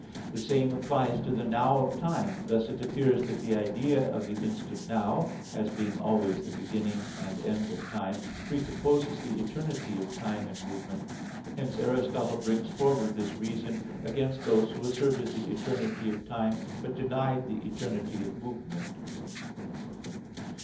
The same applies to the "now" of time. Thus it appears that the idea of the instant "now," as being always the beginning and end of time, presupposes the eternity of time and movement. Hence Aristotle brings forward this reason (Phys. viii, text 10) against those who asserted the eternity of time, but denied the eternity of movement.